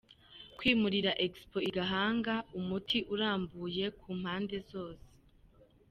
Kwimurira Expo i Gahanga, umuti urambye ku mpande zose.